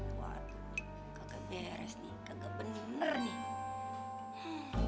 kagak beres nih kagak bener nih